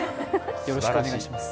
よろしくお願いします。